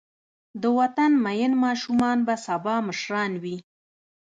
د وطن مین ماشومان به سبا مشران وي.